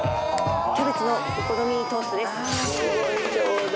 キャベツのお好みトーストです。